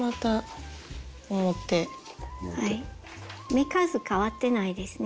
目数変わってないですね